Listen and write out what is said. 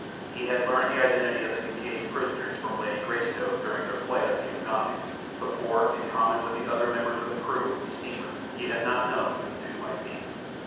He had learned the identity of the Kincaid's prisoners from Lady Greystoke during their flight up the Ugambi. Before, in common with the other members of the crew of the steamer, he had not known who the two might be.